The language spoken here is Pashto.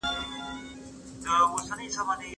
په پخلنځي کې یې په احتیاط کاروي.